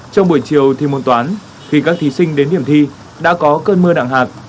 trong buổi chiều thi môn toán khi các thí sinh đến điểm thi đã có cơn mưa nặng hạt